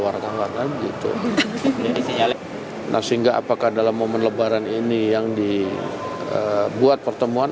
wartawan gitu ya nah sehingga apakah dalam momen lebaran ini yang dibuat pertemuan